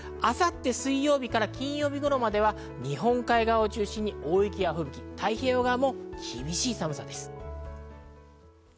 明後日水曜日から金曜日頃までは日本海側を中心に大雪や吹雪、太平洋側も厳しい寒さです。